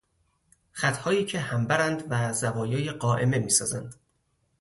خطهایی که همبرند و زوایای قائمه میسازند